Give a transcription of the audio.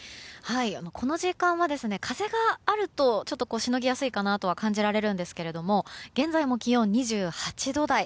この時間は風があるとちょっと、しのぎやすいかなとは感じられるんですけども現在も気温２８度台。